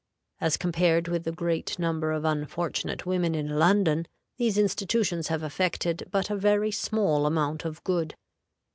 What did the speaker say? As compared with the great number of unfortunate women in London, these institutions have effected but a very small amount of good.